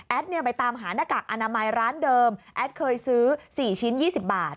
ไปตามหาหน้ากากอนามัยร้านเดิมแอดเคยซื้อ๔ชิ้น๒๐บาท